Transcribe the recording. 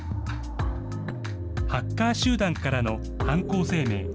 ハッカー集団からの犯行声明。